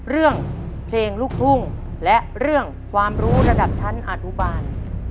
เรื่องเพลงลูกทุ่งและเรื่องความรู้ระดับชั้นอนุบาล